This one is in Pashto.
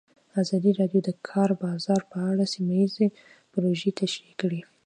ازادي راډیو د د کار بازار په اړه سیمه ییزې پروژې تشریح کړې.